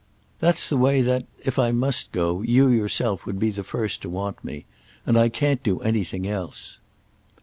"That's the way that—if I must go—you yourself would be the first to want me. And I can't do anything else."